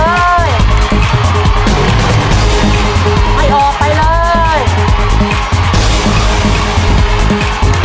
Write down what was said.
ไม่ออกไปเลย